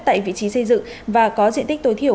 tại vị trí xây dựng và có diện tích tối thiểu